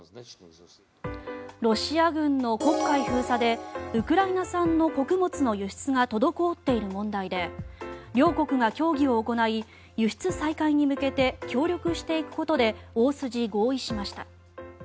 ロシア軍の黒海封鎖でウクライナ産の穀物の輸出が滞っている問題で両国が協議を行い輸出再開に向けて協力していくことで大筋合意しました。